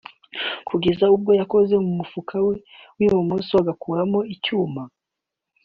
kugeza ubwo yakoze mu mufuka we w’ibumoso agakuramo icyuma